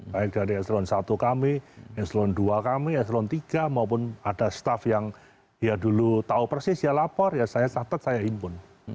baik dari eselon i kami eselon dua kami eselon tiga maupun ada staff yang ya dulu tahu persis ya lapor ya saya catat saya himpun